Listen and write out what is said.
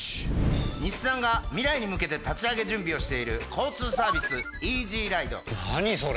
日産が未来に向けて立ち上げ準備をしている交通サービス何それ？